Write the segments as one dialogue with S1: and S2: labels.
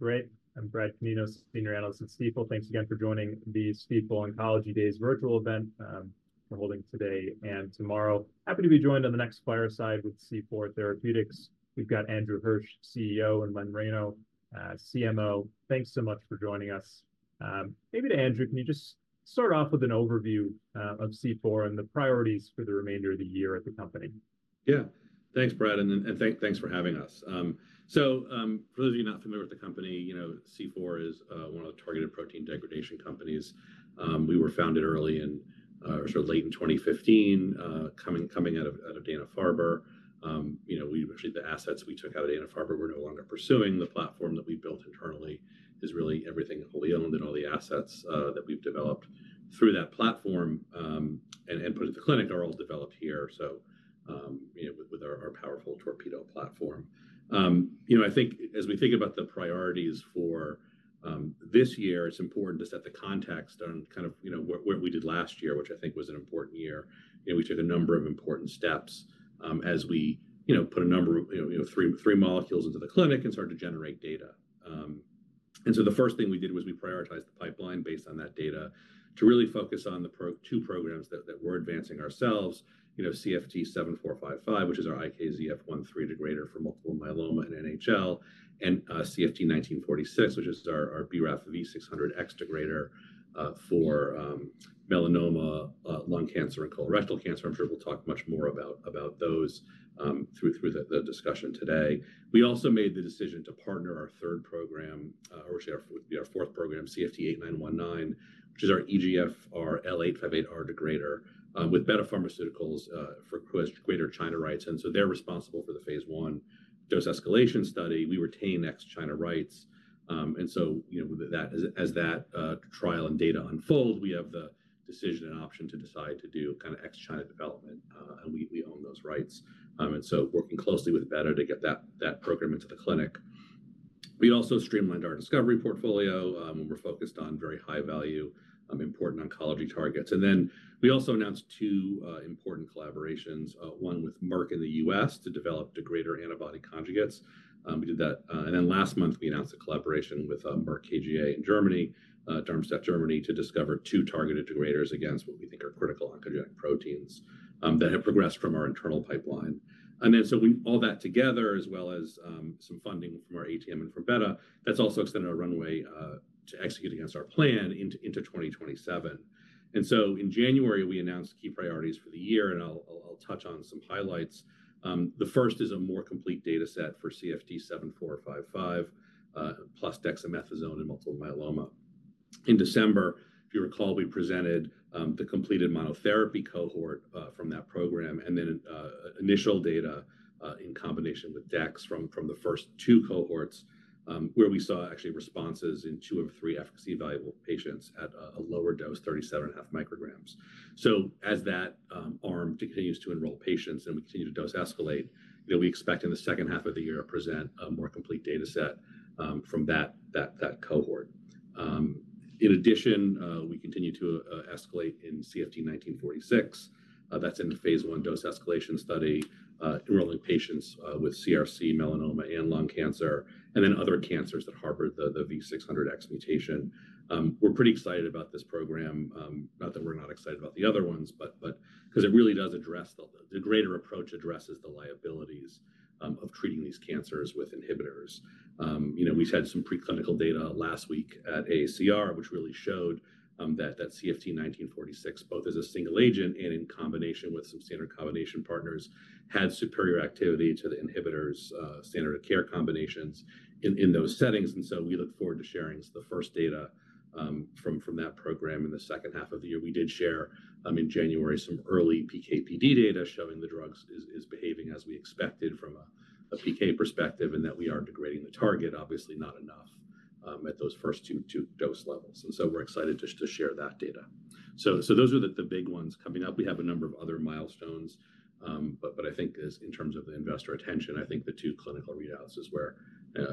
S1: Great. I'm Brad Canino, Senior Analyst at Stifel. Thanks again for joining the Stifel Oncology Days virtual event we're holding today and tomorrow. Happy to be joined on the next fireside with C4 Therapeutics. We've got Andrew Hirsch, CEO, and Len Reyno, CMO. Thanks so much for joining us. Maybe to Andrew, can you just start off with an overview of C4 and the priorities for the remainder of the year at the company?
S2: Yeah. Thanks, Brad, and thanks for having us. So, for those of you not familiar with the company, you know, C4 is one of the targeted protein degradation companies. We were founded early in, or sort of late in 2015, coming out of Dana-Farber. You know, we actually the assets we took out of Dana-Farber, we're no longer pursuing. The platform that we built internally is really everything wholly owned, and all the assets that we've developed through that platform and put into the clinic are all developed here. So, you know, with our powerful TORPEDO platform. You know, I think as we think about the priorities for this year, it's important to set the context on kind of, you know, what we did last year, which I think was an important year. You know, we took a number of important steps, as we, you know, put a number of, you know, you know, 3 molecules into the clinic and started to generate data. And so the first thing we did was we prioritized the pipeline based on that data to really focus on the two programs that we're advancing ourselves, you know, CFT7455, which is our IKZF1/3 degrader for multiple myeloma and NHL, and CFT1946, which is our BRAF V600X degrader, for melanoma, lung cancer and colorectal cancer. I'm sure we'll talk much more about those, through the discussion today. We also made the decision to partner our 3rd program, or actually our 4th program, CFT8919, which is our EGFR L858R degrader, with Betta Pharmaceuticals, who has Greater China rights. So they're responsible for the phase I dose escalation study. We retain ex-China rights. So, you know, that as that trial and data unfold, we have the decision and option to decide to do kind of ex-China development, and we own those rights. So working closely with Betta to get that program into the clinic. We also streamlined our discovery portfolio, when we're focused on very high value, important oncology targets. Then we also announced 2 important collaborations, one with Merck in the US to develop degrader antibody conjugates. We did that, and then last month we announced a collaboration with Merck KGaA in Germany, Darmstadt, Germany, to discover 2 targeted degraders against what we think are critical oncogenic proteins that have progressed from our internal pipeline. And then so we put all that together, as well as some funding from our ATM and from Betta. That's also extended a runway to execute against our plan into 2027. And so in January we announced key priorities for the year, and I'll I'll I'll touch on some highlights. The first is a more complete data set for CFT7455 plus Dexamethasone and multiple myeloma. In December, if you recall, we presented the completed monotherapy cohort from that program, and then initial data in combination with Dex from the first 2 cohorts, where we saw actually responses in 2 of 3 efficacy-evaluable patients at a lower dose, 37.5 micrograms. So as that arm continues to enroll patients, and we continue to dose escalate, you know, we expect in the second half of the year to present a more complete data set from that cohort. In addition, we continue to escalate in CFT1946. That's in the phase I dose escalation study, enrolling patients with CRC, melanoma, and lung cancer, and then other cancers that harbor the V600X mutation. We're pretty excited about this program. Not that we're not excited about the other ones, but because the degrader approach addresses the liabilities of treating these cancers with inhibitors. You know, we've had some preclinical data last week at AACR, which really showed that CFT1946, both as a single agent and in combination with some standard combination partners, had superior activity to the inhibitors, standard of care combinations in those settings. And so we look forward to sharing the first data from that program in the second half of the year. We did share in January some early PKPD data showing the drug is behaving as we expected from a PK perspective, and that we are degrading the target, obviously not enough, at those first two dose levels. And so we're excited to share that data. So those are the big ones coming up. We have a number of other milestones, but I think, as in terms of the investor attention, I think the two clinical readouts is where,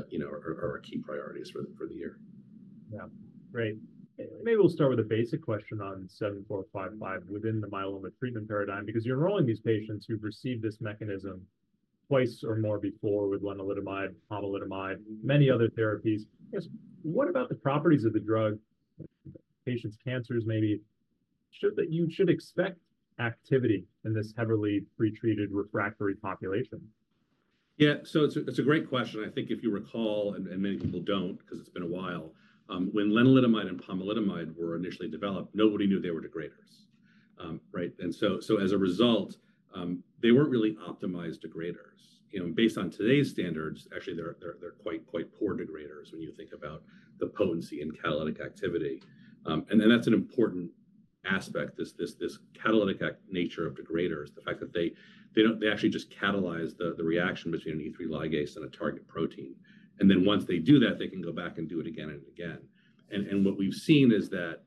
S2: you know, are key priorities for the year.
S1: Yeah, great. Maybe we'll start with a basic question on CFT7455 within the myeloma treatment paradigm, because you're enrolling these patients who've received this mechanism twice or more before with lenalidomide, pomalidomide, many other therapies. I guess, what about the properties of the drug? Patients' cancers, maybe. Should that you should expect activity in this heavily pretreated refractory population.
S2: Yeah. So it's a great question. I think, if you recall, and many people don't, because it's been a while, when lenalidomide and pomalidomide were initially developed, nobody knew they were degraders, right? And so as a result, they weren't really optimized degraders, you know, based on today's standards. Actually, they're quite poor degraders when you think about the potency and catalytic activity, and that's an important aspect. This catalytic nature of degraders, the fact that they don't. They actually just catalyze the reaction between an E3 ligase and a target protein. And then, once they do that, they can go back and do it again and again. And what we've seen is that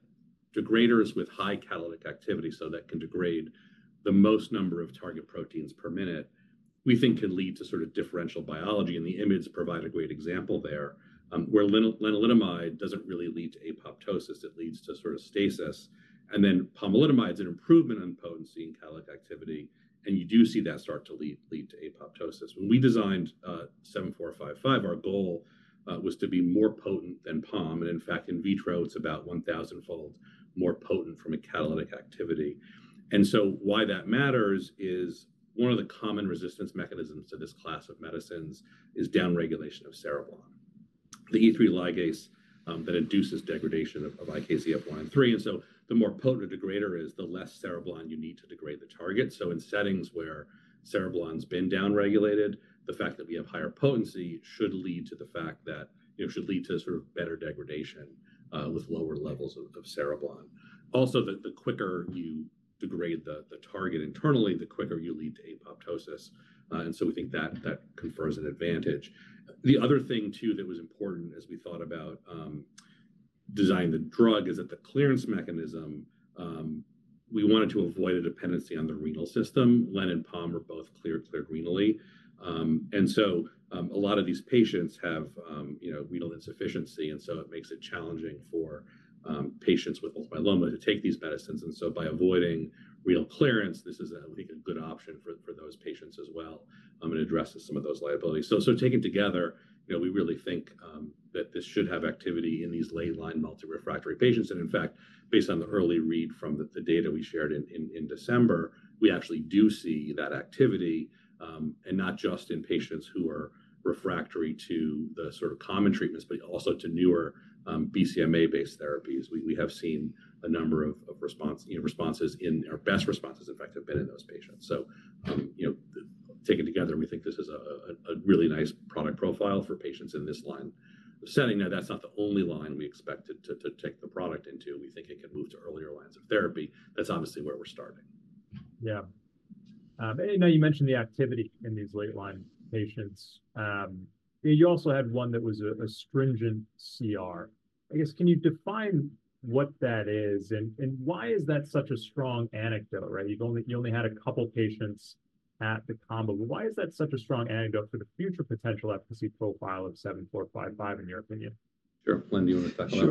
S2: degraders with high catalytic activity, so that can degrade the most number of target proteins per minute, we think, can lead to sort of differential biology. And the IMiDs provide a great example there, where lenalidomide doesn't really lead to apoptosis. It leads to sort of stasis. And then pomalidomide's an improvement on potency and catalytic activity. And you do see that start to lead to apoptosis. When we designed CFT7455, our goal was to be more potent than pom. And in fact, in vitro, it's about 1,000-fold more potent from a catalytic activity. And so why that matters is one of the common resistance mechanisms to this class of medicines is downregulation of cereblon. The E3 ligase that induces degradation of IKZF1 and 3. And so the more potent a degrader is, the less cereblon you need to degrade the target. So in settings where cereblon's been downregulated, the fact that we have higher potency should lead to the fact that, you know, should lead to sort of better degradation, with lower levels of cereblon. Also, the quicker you degrade the target internally, the quicker you lead to apoptosis. And so we think that that confers an advantage. The other thing, too, that was important, as we thought about designing the drug, is that the clearance mechanism, we wanted to avoid a dependency on the renal system. Len and pom are both cleared renally. And so, a lot of these patients have, you know, renal insufficiency. And so it makes it challenging for patients with multiple myeloma to take these medicines. And so, by avoiding renal clearance, this is, we think, a good option for those patients as well and addresses some of those liabilities. So, taken together, you know, we really think that this should have activity in these late line multi-refractory patients. And in fact, based on the early read from the data we shared in December, we actually do see that activity, and not just in patients who are refractory to the sort of common treatments, but also to newer, BCMA-based therapies. We have seen a number of responses, you know. Our best responses, in fact, have been in those patients. So, you know, taken together, we think this is a really nice product profile for patients in this line setting. Now, that's not the only line we expect it to take the product into. We think it can move to earlier lines of therapy. That's obviously where we're starting.
S1: Yeah, and now you mentioned the activity in these late-line patients. You also had one that was a stringent CR. I guess, can you define what that is? And why is that such a strong anecdote? Right? You've only had a couple patients at the combo. But why is that such a strong anecdote for the future potential efficacy profile of CFT7455, in your opinion?
S2: Sure. Len, do you want to touch on that?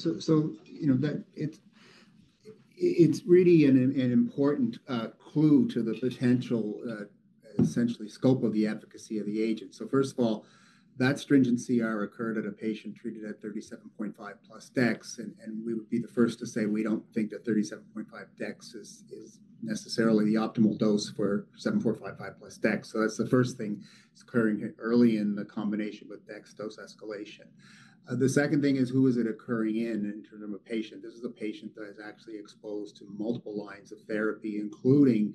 S3: Sure. So, you know, that it's really an important clue to the potential, essentially scope of the efficacy of the agent. So, first of all, that sCR occurred in a patient treated at 37.5 plus Dex. And we would be the first to say we don't think that 37.5 Dex is necessarily the optimal dose for 7455 plus Dex. So that's the first thing is occurring early in the combination with Dex dose escalation. The second thing is, who is it occurring in terms of a patient? This is a patient that is actually exposed to multiple lines of therapy, including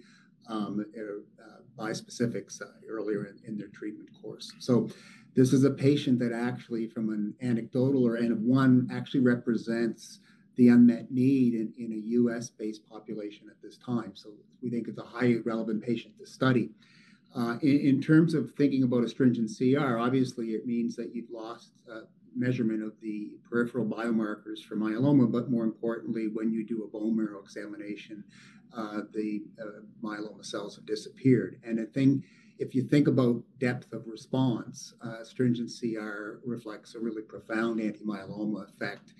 S3: bispecifics earlier in their treatment course. So this is a patient that actually, from an anecdotal or n-of-one, actually represents the unmet need in a U.S.-based population at this time. So we think it's a highly relevant patient to study. In terms of thinking about a stringent CR, obviously, it means that you've lost measurement of the peripheral biomarkers for myeloma. But more importantly, when you do a bone marrow examination, the myeloma cells have disappeared. And I think if you think about depth of response, stringency reflects a really profound anti-myeloma effect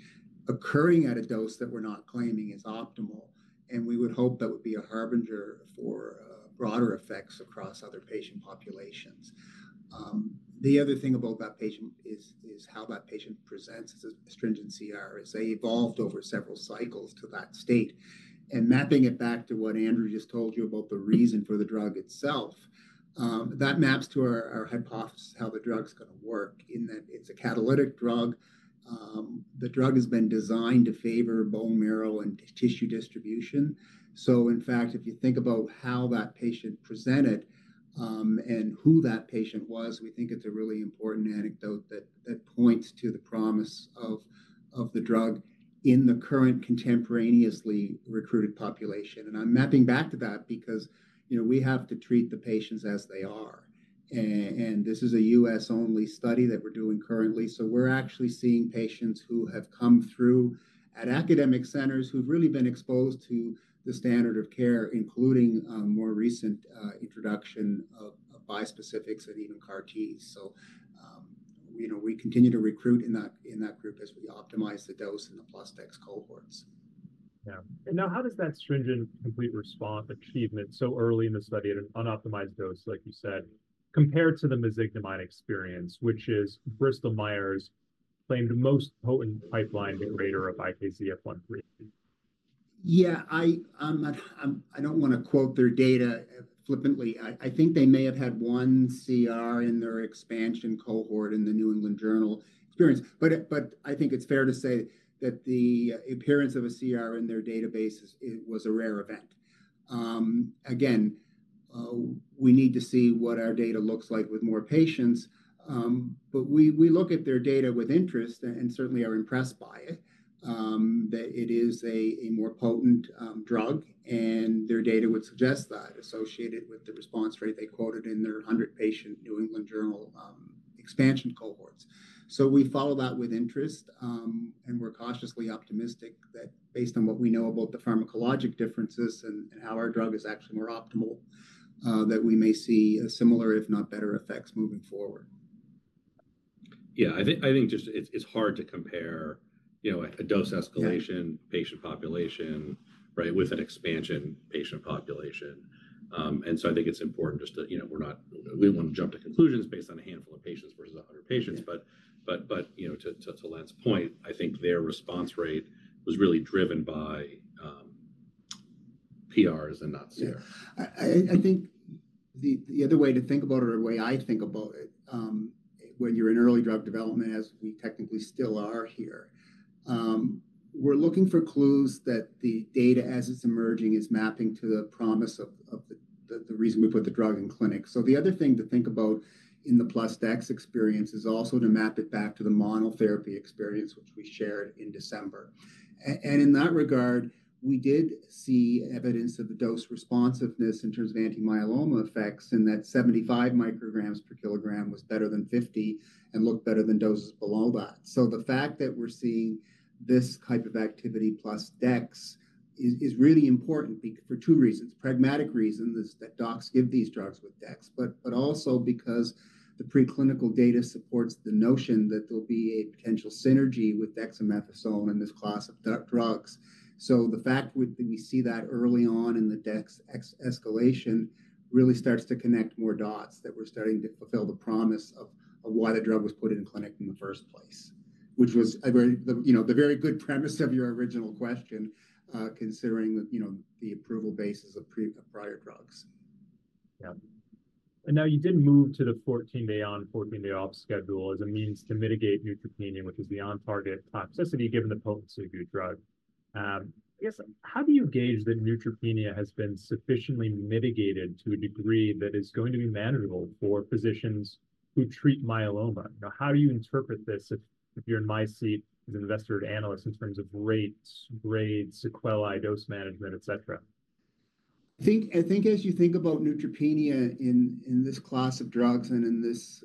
S3: occurring at a dose that we're not claiming is optimal. And we would hope that would be a harbinger for broader effects across other patient populations. The other thing about that patient is how that patient presents as a stringent CR is they evolved over several cycles to that state. And mapping it back to what Andrew just told you about the reason for the drug itself. That maps to our hypothesis, how the drug's gonna work in that it's a catalytic drug. The drug has been designed to favor bone marrow and tissue distribution. So, in fact, if you think about how that patient presented, and who that patient was, we think it's a really important anecdote that points to the promise of the drug in the current contemporaneously recruited population. And I'm mapping back to that, because, you know, we have to treat the patients as they are. And this is a U.S.-only study that we're doing currently. So we're actually seeing patients who have come through at academic centers who've really been exposed to the standard of care, including more recent introduction of bispecifics and even CAR-T. So, you know, we continue to recruit in that group as we optimize the dose in the plus Dex cohorts.
S1: Yeah. Now, how does that Stringent Complete Response achievement so early in the study at an unoptimized dose, like you said, compare to the mezigdomide experience, which is Bristol Myers claimed most potent pipeline degrader of IKZF1/3?
S3: Yeah, I don't want to quote their data flippantly. I think they may have had one CR in their expansion cohort in the New England Journal experience. But I think it's fair to say that the appearance of a CR in their databases was a rare event. Again, we need to see what our data looks like with more patients. But we look at their data with interest, and certainly are impressed by it, that it is a more potent drug, and their data would suggest that associated with the response rate they quoted in their 100-patient New England Journal expansion cohorts. So we follow that with interest. and we're cautiously optimistic that, based on what we know about the pharmacologic differences and how our drug is actually more optimal, that we may see a similar, if not better, effects moving forward.
S2: Yeah, I think it's just hard to compare. You know, a dose escalation patient population, right, with an expansion patient population. And so I think it's important just to, you know, we're not. We don't want to jump to conclusions based on a handful of patients versus 100 patients. But, you know, to Len's point, I think their response rate was really driven by PRs and not CR.
S3: Yeah, I think the other way to think about it, or the way I think about it, when you're in early drug development, as we technically still are here. We're looking for clues that the data, as it's emerging, is mapping to the promise of the reason we put the drug in clinic. So the other thing to think about in the plus Dex experience is also to map it back to the monotherapy experience, which we shared in December. And in that regard, we did see evidence of the dose responsiveness in terms of anti-myeloma effects, in that 75 micrograms per kilogram was better than 50 and looked better than doses below that. So the fact that we're seeing this type of activity plus Dex is really important for two reasons. Pragmatic reason is that docs give these drugs with Dex, but also because the preclinical data supports the notion that there'll be a potential synergy with Dexamethasone in this class of drugs. So the fact that we see that early on in the dose escalation really starts to connect more dots that we're starting to fulfill the promise of why the drug was put in clinic in the first place, which was a very, you know, the very good premise of your original question, considering that, you know, the approval basis of prior drugs.
S1: Yeah. And now you did move to the 14-day on 14-day off schedule as a means to mitigate neutropenia, which is the on-target toxicity, given the potency of your drug. I guess, how do you gauge that neutropenia has been sufficiently mitigated to a degree that is going to be manageable for physicians who treat myeloma? You know, how do you interpret this? If you're in my seat as an investor analyst in terms of rates, grades, sequelae, dose management, etc.
S3: I think, as you think about neutropenia in this class of drugs and in this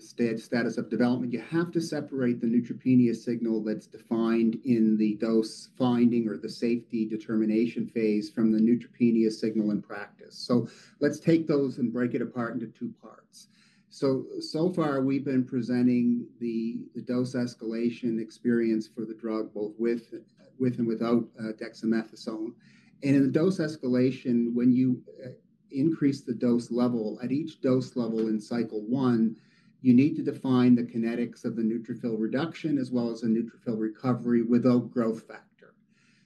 S3: status of development, you have to separate the neutropenia signal that's defined in the dose finding or the safety determination phase from the neutropenia signal in practice. So let's take those and break it apart into two parts. So far we've been presenting the dose escalation experience for the drug, both with and without Dexamethasone. And in the dose escalation, when you increase the dose level at each dose level in cycle one, you need to define the kinetics of the neutrophil reduction, as well as a neutrophil recovery without growth factor.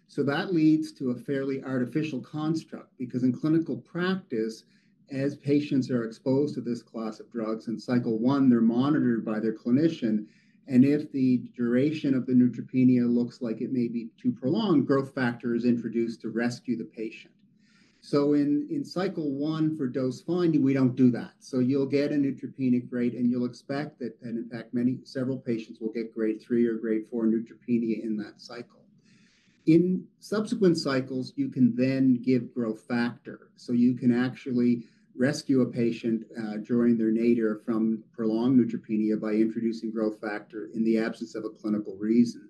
S3: So that leads to a fairly artificial construct, because in clinical practice, as patients are exposed to this class of drugs in cycle one, they're monitored by their clinician. If the duration of the neutropenia looks like it may be too prolonged, growth factor is introduced to rescue the patient. So in cycle 1 for dose finding, we don't do that. So you'll get a neutropenic rate, and you'll expect that. In fact, many several patients will get grade 3 or grade 4 neutropenia in that cycle. In subsequent cycles, you can then give growth factor. So you can actually rescue a patient during their nadir from prolonged neutropenia by introducing growth factor in the absence of a clinical reason.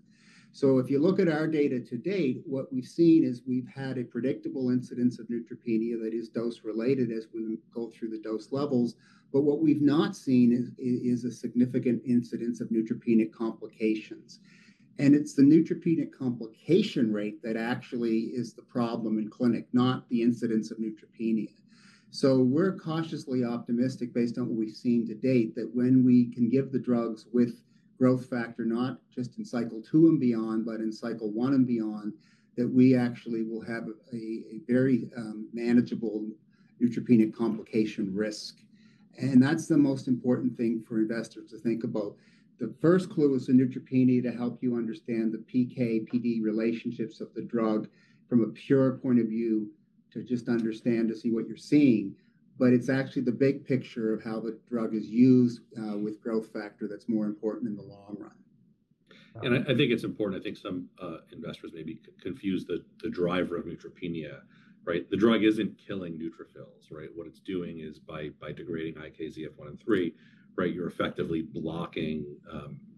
S3: So if you look at our data to date, what we've seen is we've had a predictable incidence of neutropenia that is dose related as we go through the dose levels. But what we've not seen is a significant incidence of neutropenic complications. And it's the neutropenic complication rate that actually is the problem in clinic, not the incidence of neutropenia. So we're cautiously optimistic, based on what we've seen to date, that when we can give the drugs with growth factor, not just in cycle 2 and beyond, but in cycle 1 and beyond, that we actually will have a very, manageable neutropenic complication risk. And that's the most important thing for investors to think about. The 1st clue is the neutropenia to help you understand the PKPD relationships of the drug from a pure point of view to just understand to see what you're seeing. But it's actually the big picture of how the drug is used, with growth factor that's more important in the long run.
S2: I think it's important. I think some investors may be confused by the driver of neutropenia. Right? The drug isn't killing neutrophils. Right? What it's doing is by degrading IKZF1 and IKZF3. Right? You're effectively blocking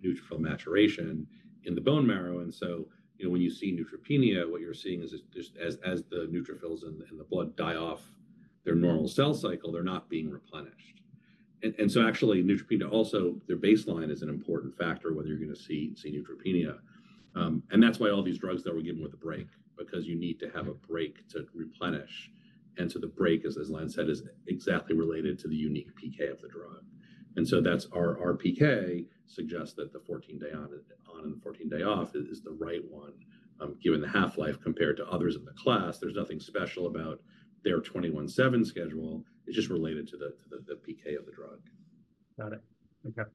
S2: neutrophil maturation in the bone marrow. And so, you know, when you see neutropenia, what you're seeing is just as the neutrophils in the blood die off their normal cell cycle, they're not being replenished. And so actually, neutropenia. Also, their baseline is an important factor whether you're gonna see neutropenia. And that's why all these drugs that were given with a break, because you need to have a break to replenish. And so the break, as Len said, is exactly related to the unique PK of the drug. And so that's our PK suggests that the 14-day on and the 14-day off is the right one. Given the half-life compared to others in the class, there's nothing special about their 21-7 schedule. It's just related to the PK of the drug.
S1: Got it. Okay.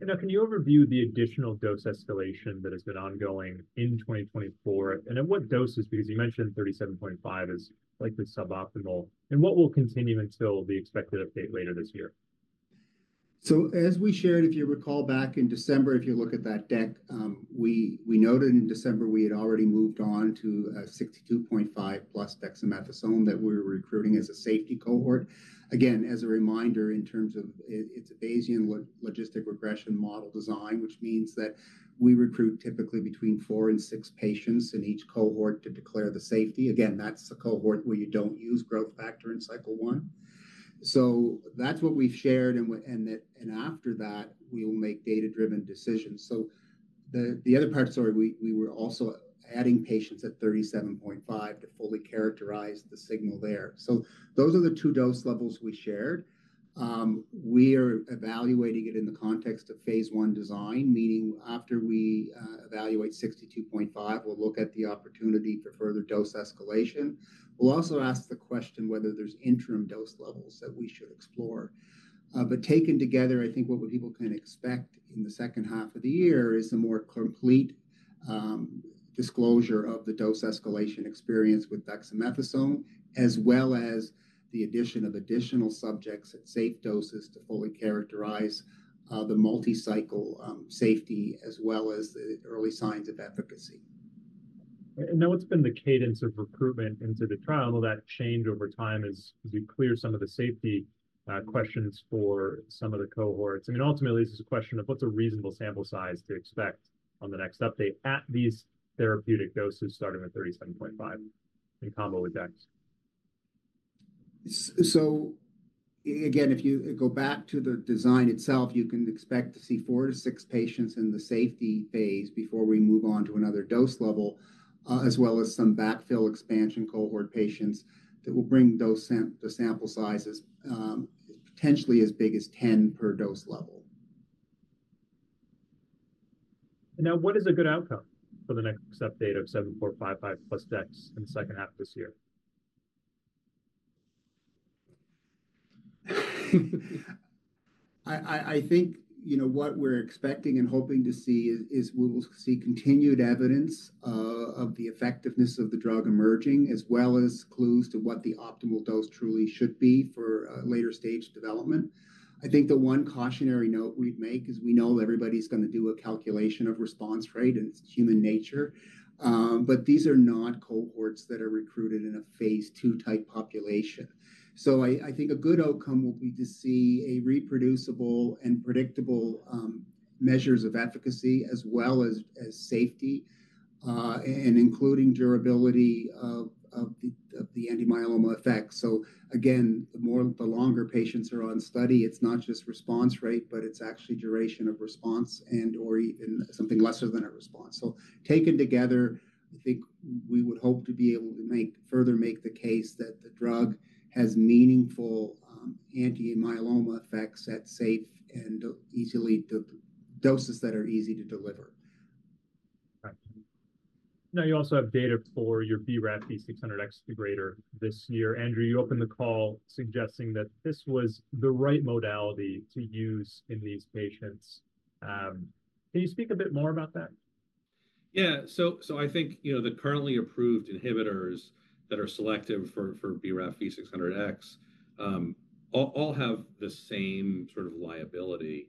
S1: And now, can you overview the additional dose escalation that has been ongoing in 2024? And at what doses? Because you mentioned 37.5 is likely suboptimal. And what will continue until the expected update later this year?
S3: So, as we shared, if you recall back in December, if you look at that deck, we noted in December we had already moved on to a 62.5 plus Dexamethasone that we were recruiting as a safety cohort. Again, as a reminder, in terms of, it's a Bayesian logistic regression model design, which means that we recruit typically between four and six patients in each cohort to declare the safety. Again, that's a cohort where you don't use growth factor in cycle one. So that's what we've shared. And after that, we will make data-driven decisions. So the other part. Sorry. We were also adding patients at 37.5 to fully characterize the signal there. So those are the two dose levels we shared. We are evaluating it in the context of phase I design, meaning, after we evaluate 62.5, we'll look at the opportunity for further dose escalation. We'll also ask the question whether there's interim dose levels that we should explore. But taken together, I think what people can expect in the second half of the year is a more complete disclosure of the dose escalation experience with Dexamethasone, as well as the addition of additional subjects at safe doses to fully characterize the multi-cycle safety, as well as the early signs of efficacy.
S1: And now, what's been the cadence of recruitment into the trial? Will that change over time as you clear some of the safety questions for some of the cohorts? I mean, ultimately, this is a question of what's a reasonable sample size to expect on the next update at these therapeutic doses starting at 37.5 in combo with Dex.
S3: So again, if you go back to the design itself, you can expect to see 4 to 6 patients in the safety phase before we move on to another dose level, as well as some backfill expansion cohort patients that will bring those sample sizes, potentially as big as 10 per dose level.
S1: Now, what is a good outcome for the next update of CFT7455 plus Dex in the second half of this year?
S3: I think, you know, what we're expecting and hoping to see is we will see continued evidence of the effectiveness of the drug emerging, as well as clues to what the optimal dose truly should be for a later stage development. I think the one cautionary note we'd make is we know everybody's gonna do a calculation of response rate, and it's human nature, but these are not cohorts that are recruited in a phase II type population. So I think a good outcome will be to see a reproducible and predictable measures of efficacy, as well as safety, and including durability of the anti-myeloma effect. So again, the longer patients are on study, it's not just response rate, but it's actually duration of response, and or even something lesser than a response. So taken together, I think we would hope to be able to make further the case that the drug has meaningful, anti-myeloma effects at safe and easy doses that are easy to deliver.
S1: Right. Now, you also have data for your BRAF V600X degrader this year. Andrew, you opened the call suggesting that this was the right modality to use in these patients. Can you speak a bit more about that?
S2: Yeah. So I think, you know, the currently approved inhibitors that are selective for BRAF V600X all have the same sort of liability,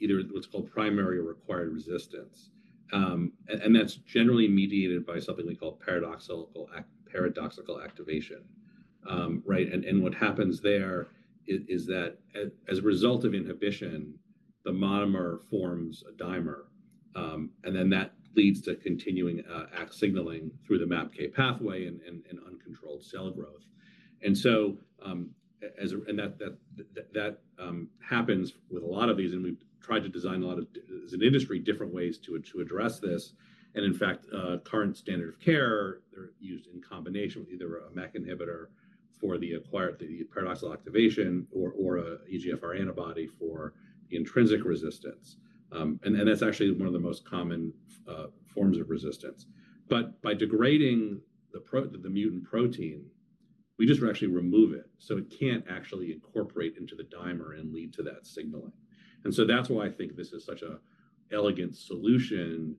S2: either what's called primary or acquired resistance. And that's generally mediated by something we call paradoxical activation. Right? And what happens there is that, as a result of inhibition, the monomer forms a dimer. And then that leads to continuing signaling through the MAPK pathway and uncontrolled cell growth. And so, that happens with a lot of these. And we've tried to design a lot of, as an industry, different ways to address this. And in fact, current standard of care, they're used in combination with either a MEK inhibitor for the acquired paradoxical activation, or a EGFR antibody for the intrinsic resistance. And that's actually one of the most common forms of resistance. But by degrading the mutant protein, we just actually remove it. So it can't actually incorporate into the dimer and lead to that signaling. And so that's why I think this is such an elegant solution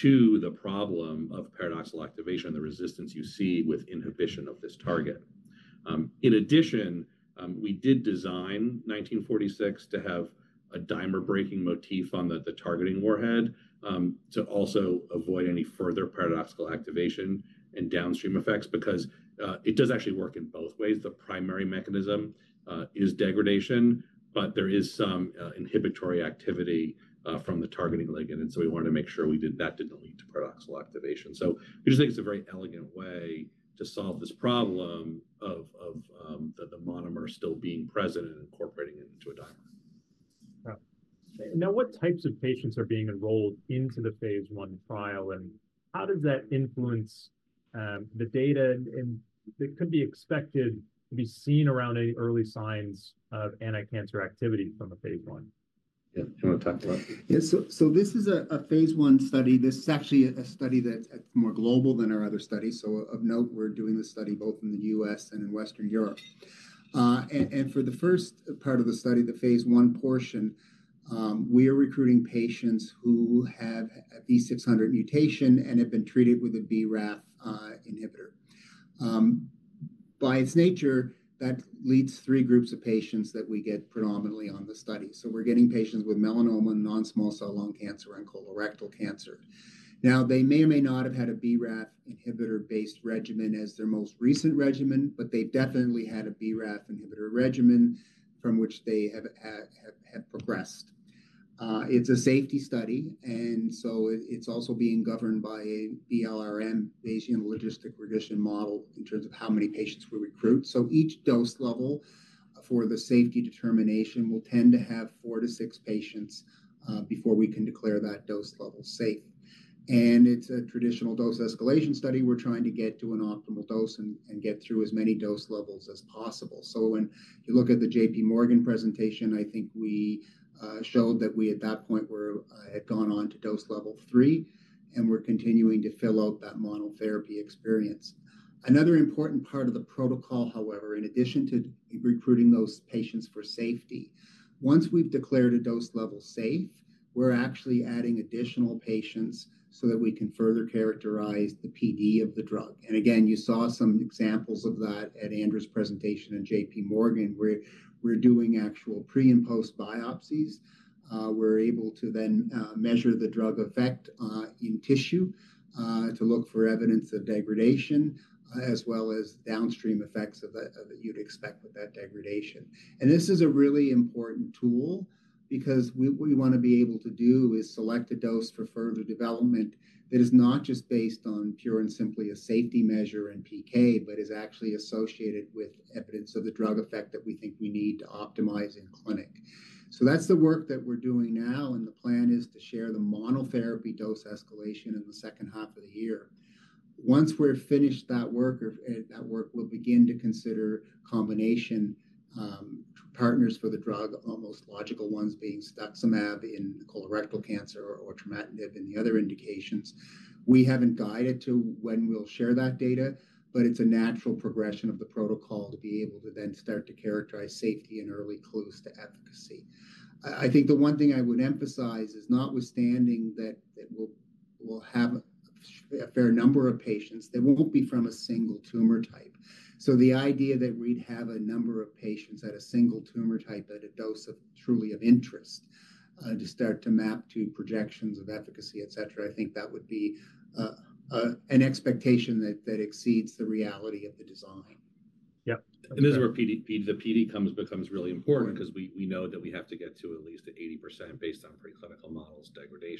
S2: to the problem of paradoxical activation, the resistance you see with inhibition of this target. In addition, we did design CFT1946 to have a dimer-breaking motif on the targeting warhead, to also avoid any further paradoxical activation and downstream effects, because it does actually work in both ways. The primary mechanism is degradation. But there is some inhibitory activity from the targeting ligand. And so we wanted to make sure we did that didn't lead to paradoxical activation. So we just think it's a very elegant way to solve this problem of the monomer still being present and incorporating it into a dimer.
S1: Yeah. Now, what types of patients are being enrolled into the phase I trial? And how does that influence the data? And that could be expected to be seen around any early signs of anti-cancer activity from a phase I. Yeah. You wanna talk about?
S3: Yeah. So this is a phase I study. This is actually a study that's more global than our other studies. So of note, we're doing this study both in the U.S. and in Western Europe. And for the first part of the study, the phase I portion, we are recruiting patients who have a V600 mutation and have been treated with a BRAF inhibitor. By its nature, that leads three groups of patients that we get predominantly on the study. So we're getting patients with melanoma, non-small cell lung cancer, and colorectal cancer. Now, they may or may not have had a BRAF inhibitor based regimen as their most recent regimen, but they definitely had a BRAF inhibitor regimen from which they have progressed. It's a safety study. So it's also being governed by a BLRM, Bayesian logistic regression model, in terms of how many patients we recruit. So each dose level for the safety determination will tend to have four to six patients, before we can declare that dose level safe. It's a traditional dose escalation study. We're trying to get to an optimal dose and get through as many dose levels as possible. So when you look at the J.P. Morgan presentation, I think we showed that we, at that point, had gone on to dose level three, and we're continuing to fill out that monotherapy experience. Another important part of the protocol, however, in addition to recruiting those patients for safety, once we've declared a dose level safe, we're actually adding additional patients so that we can further characterize the PD of the drug. And again, you saw some examples of that at Andrew's presentation and J.P. Morgan, where we're doing actual pre- and post-biopsies. We're able to then measure the drug effect in tissue to look for evidence of degradation, as well as downstream effects of that you'd expect with that degradation. And this is a really important tool, because we want to be able to do is select a dose for further development that is not just based on purely and simply a safety measure and PK, but is actually associated with evidence of the drug effect that we think we need to optimize in clinic. So that's the work that we're doing now. The plan is to share the monotherapy dose escalation in the second half of the year. Once we're finished that work, or that work will begin to consider combination partners for the drug, almost logical ones being cetuximab in colorectal cancer, or trametinib in the other indications. We haven't guided to when we'll share that data, but it's a natural progression of the protocol to be able to then start to characterize safety and early clues to efficacy. I think the one thing I would emphasize is notwithstanding that we'll have a fair number of patients, they won't be from a single tumor type. So the idea that we'd have a number of patients at a single tumor type at a dose of truly of interest, to start to map to projections of efficacy, etc., I think that would be an expectation that exceeds the reality of the design.
S2: Yep. And this is where PD, the PD, becomes really important, because we know that we have to get to at least 80% degradation based on preclinical models.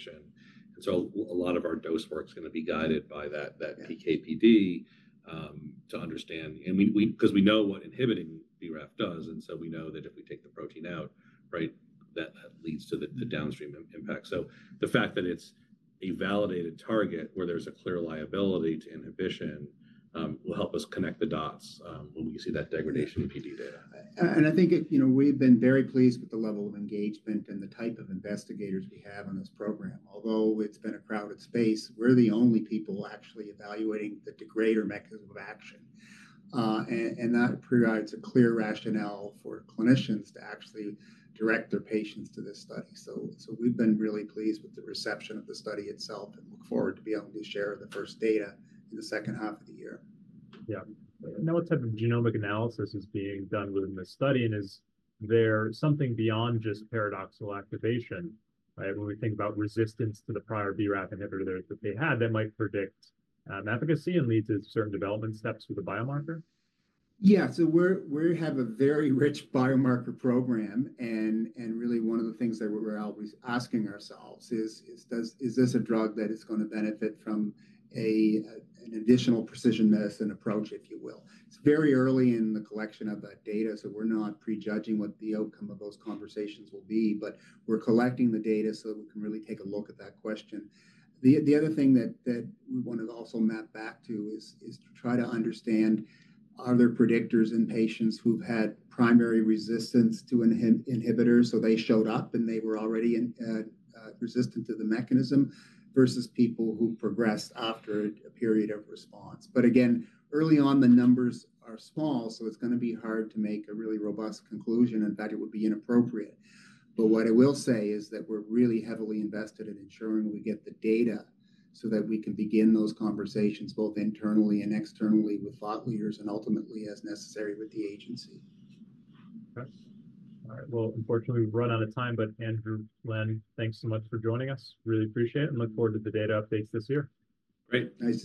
S2: And so a lot of our dose work is gonna be guided by that PK PD, to understand. And because we know what inhibiting BRAF does. And so we know that if we take the protein out, right, that leads to the downstream impact. So the fact that it's a validated target where there's a clear liability to inhibition will help us connect the dots, when we see that degradation PD data.
S3: I think it, you know, we've been very pleased with the level of engagement and the type of investigators we have on this program, although it's been a crowded space. We're the only people actually evaluating the degrader mechanism of action. And that provides a clear rationale for clinicians to actually direct their patients to this study. So we've been really pleased with the reception of the study itself and look forward to being able to share the first data in the second half of the year.
S1: Yeah. Now, what type of genomic analysis is being done within this study? And is there something beyond just paradoxical activation, right? When we think about resistance to the prior BRAF inhibitor that they had that might predict efficacy and lead to certain development steps with a biomarker?
S3: Yeah. So we have a very rich biomarker program. And really, one of the things that we're always asking ourselves is, is this a drug that is gonna benefit from an additional precision medicine approach, if you will? It's very early in the collection of that data. So we're not prejudging what the outcome of those conversations will be. But we're collecting the data so that we can really take a look at that question. The other thing that we want to also map back to is to try to understand, are there predictors in patients who've had primary resistance to inhibitors? So they showed up, and they were already resistant to the mechanism versus people who progressed after a period of response. But again, early on, the numbers are small. It's gonna be hard to make a really robust conclusion. In fact, it would be inappropriate. What I will say is that we're really heavily invested in ensuring we get the data so that we can begin those conversations both internally and externally with thought leaders, and ultimately, as necessary, with the agency.
S1: Okay. All right. Well, unfortunately, we've run out of time. But Andrew, Len, thanks so much for joining us. Really appreciate it, and look forward to the data updates this year.
S2: Great. Thanks.